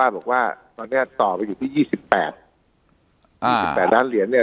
บอกว่าตอนนี้ต่อไปอยู่ที่ยี่สิบแปดอ่าล้านเหรียญเนี้ย